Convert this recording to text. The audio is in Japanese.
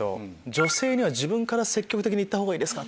女性には自分から積極的にいったほうがいいですか？